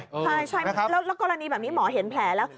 ใช่แล้วกรณีแบบนี้หมอเห็นแผลแล้ว